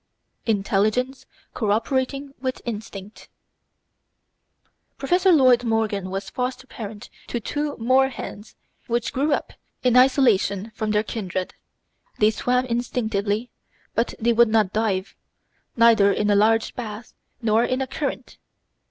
Intelligence co operating with Instinct Professor Lloyd Morgan was foster parent to two moorhens which grew up in isolation from their kindred. They swam instinctively, but they would not dive, neither in a large bath nor in a current.